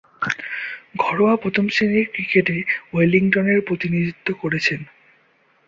ঘরোয়া প্রথম-শ্রেণীর ক্রিকেটে ওয়েলিংটনের প্রতিনিধিত্ব করেছেন।